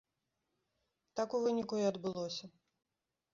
Так у выніку і адбылося.